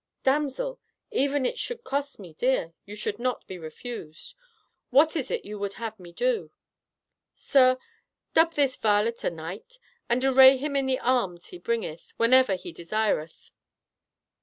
"Damsel, even it should cost me dear, you should not be refused; what is it you would have me do?" "Sir, dub this varlet a knight, and array him in the arms he bringeth, whenever he desireth."